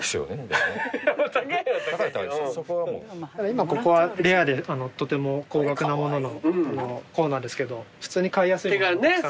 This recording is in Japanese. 今ここはレアでとても高額なもののコーナーですけど普通に買いやすいものも。